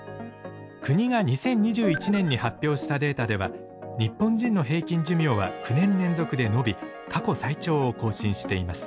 国が２０２１年に発表したデータでは日本人の平均寿命は９年連続で延び過去最長を更新しています。